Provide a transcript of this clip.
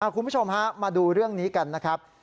คุณผู้ชมฮะมาดูเรื่องนี้กันนะครับ